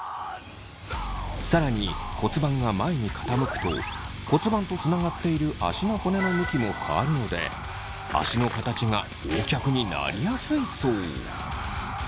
更に骨盤が前に傾くと骨盤とつながっている足の骨の向きも変わるので足の形がＯ脚になりやすいそう。